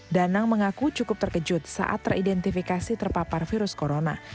danang mengaku cukup terkejut saat teridentifikasi terpapar virus corona